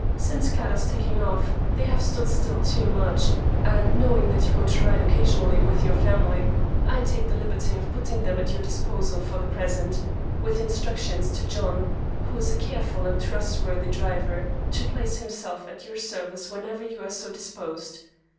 Since Clara's taking off, they have stood still too much, and knowing that you go to ride occasionally with your family, I take the liberty of putting them at your disposal for the present, with instructions to John, who is a careful and trustworthy driver, to place himself at your service whenever you are so disposed.